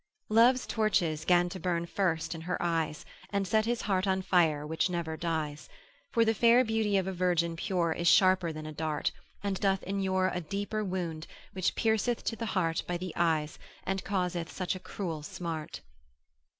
Love's torches 'gan to burn first in her eyes. And set his heart on fire which never dies: For the fair beauty of a virgin pure Is sharper than a dart, and doth inure A deeper wound, which pierceth to the heart By the eyes, and causeth such a cruel smart.